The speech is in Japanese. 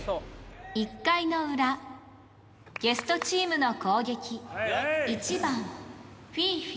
１回の裏ゲストチームの攻撃１番フィフィ。